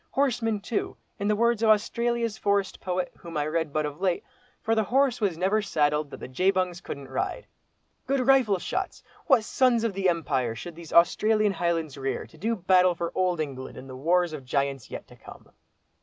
Horsemen too, in the words of Australia's forest poet, whom I read but of late. 'For the horse was never saddled that the Jebungs couldn't ride.' Good rifle shots! What sons of the Empire should these Australian highlands rear, to do battle for Old England in the wars of the giants yet to come!"